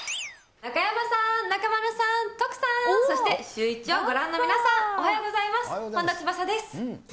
中山さん、中丸さん、徳さん、そしてシューイチをご覧の皆さん、おはようございます。